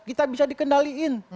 kita bisa dikendaliin